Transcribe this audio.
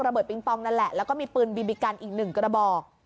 เบิงปองนั่นแหละแล้วก็มีปืนบีบีกันอีกหนึ่งกระบอก